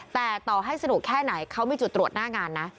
แต่ต่อให้สนุกแค่ไหนเขามีจุดตรวจหน้างานนะ